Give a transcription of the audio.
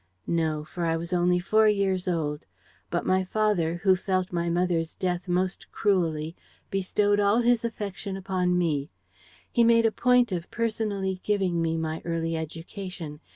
"No, for I was only four years old. But my father, who felt my mother's death most cruelly, bestowed all his affection upon me. He made a point of personally giving me my early education.